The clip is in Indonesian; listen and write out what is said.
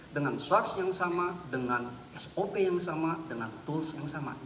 dengan source yang sama dengan sop yang sama dengan tools yang sama